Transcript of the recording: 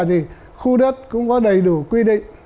thì khu đất cũng có đầy đủ quy định